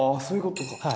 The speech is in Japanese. そういうことか。